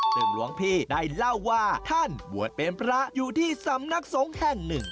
ซึ่งหลวงพี่ได้เล่าว่าท่านบวชเป็นพระอยู่ที่สำนักสงฆ์แห่งหนึ่ง